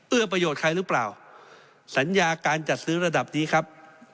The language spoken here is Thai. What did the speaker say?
ประโยชน์ใครหรือเปล่าสัญญาการจัดซื้อระดับนี้ครับ